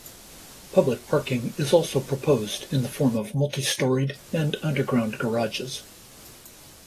Public parking is also proposed in the form of multi-storied and underground garages.